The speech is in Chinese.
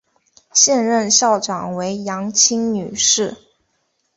现任校长为杨清女士。